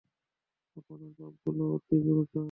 আপনার পাপগুলো অতি গুরুতর।